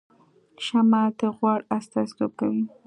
شمعه د غوړ استازیتوب کوي